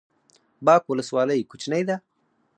باک ولسوالۍ کوچنۍ ده؟